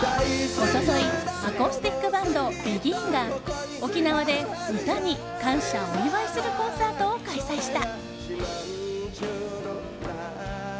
一昨日アコースティックバンドＢＥＧＩＮが、沖縄でうたに感謝・お祝いするコンサートを開催した。